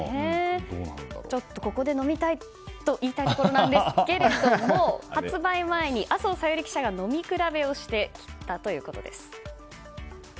ここで飲みたいと言いたいところなんですが発売前に麻生小百合記者が飲み比べをしてきたということです。